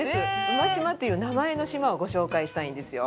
馬島っていう名前の島をご紹介したいんですよ。